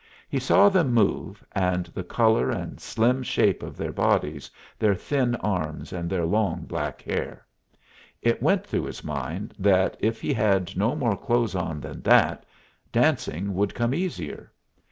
He saw them move, and the color and slim shape of their bodies, their thin arms, and their long, black hair. It went through his mind that if he had no more clothes on than that, dancing would come easier.